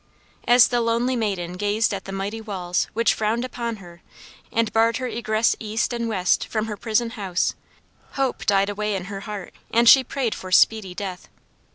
As the lonely maiden gazed at the mighty walls which frowned upon her and barred her egress east and west from her prison house, hope died away in her heart, and she prayed for speedy death.